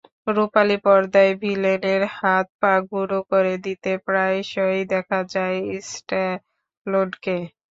রুপালি পর্দায় ভিলেনের হাত-পা গুঁড়ো করে দিতে প্রায়শই দেখা যায় স্ট্যালোনকে।